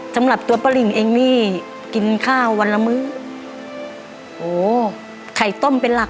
สำหรับตัวป้าหลิงเองนี่กินข้าววันละมื้อโอ้โหไข่ต้มเป็นหลัก